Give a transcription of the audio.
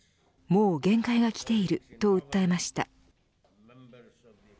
もう限界がきていると訴えました。